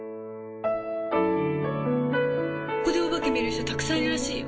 ここでお化け見る人たくさんいるらしいよ。